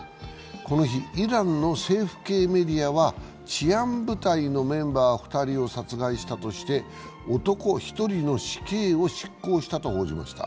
この日、イランの政府系メディアは治安部隊のメンバー２人を殺害したとして男１人の死刑を執行したと報じました。